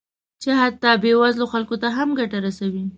چې حتی بې وزلو خلکو ته هم ګټه رسوي